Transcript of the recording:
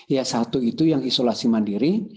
ya satu itu yang isolasi mandiri